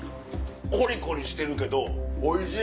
コリコリしてるおいしい！